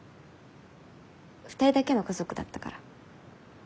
２人だけの家族だったから。